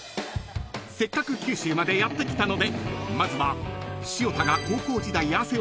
［せっかく九州までやって来たのでまずは潮田が］